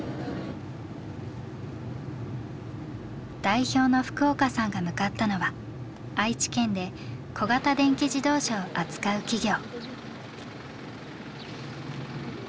代表の福岡さんが向かったのは愛知県で小型電気自動車を扱う企業。